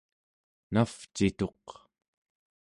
navcituq